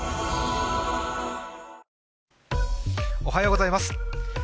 おはようございます。